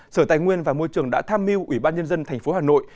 sở tài nguyên và môi trường đã tham mưu ủy ban nhân dân tp hà nội